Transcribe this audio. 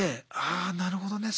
ああなるほどね。